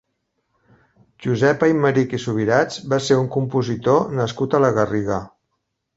Josep Aymerich i Subirats va ser un compositor nascut a la Garriga.